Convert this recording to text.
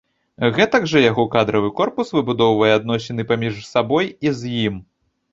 Гэтак жа яго кадравы корпус выбудоўвае адносіны паміж сабой і з ім.